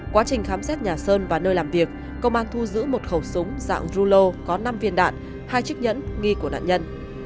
quá trình khám xét nhà sơn và nơi làm việc công an thu giữ một khẩu súng dạng rulo có năm viên đạn hai chiếc nhẫn nghi của nạn nhân